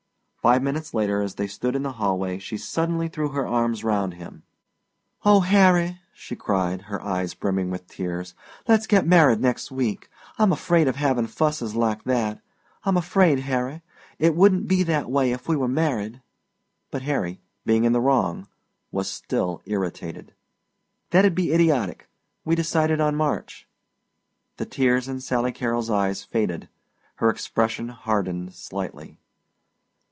Five minutes later as they stood in the hallway she suddenly threw her arms round him. "Oh, Harry," she cried, her eyes brimming with tears; "let's get married next week. I'm afraid of having fusses like that. I'm afraid, Harry. It wouldn't be that way if we were married." But Harry, being in the wrong, was still irritated. "That'd be idiotic. We decided on March." The tears in Sally Carrol's eyes faded; her expression hardened slightly.